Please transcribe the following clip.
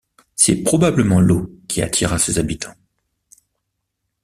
C'est probablement l'eau qui attira ses habitants.